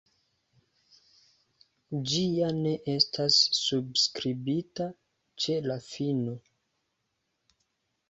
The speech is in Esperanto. Ĝi ja ne estas subskribita ĉe la fino.